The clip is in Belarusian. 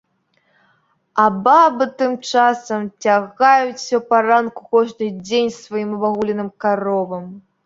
А бабы, тым часам, цягаюць усё паранку кожны дзень сваім абагуленым каровам.